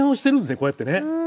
こうやってね。